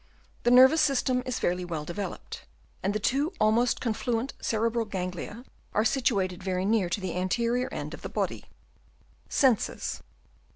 The nervous system is fairly well developed ; and the two almost confluent cerebral ganglia are situated very near to the anterior end of the body. Senses.